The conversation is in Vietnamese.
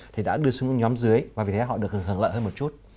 thì đã đưa xuống nhóm dưới và vì thế họ được hưởng lợi hơn một chút